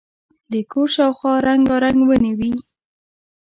د کور شاوخوا رنګارنګ ونې وې.